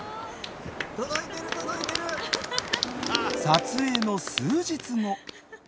撮影の数日後。